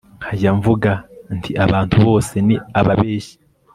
nkajya mvuga ntiabantu bose ni ababeshyi